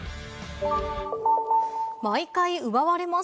毎回奪われます。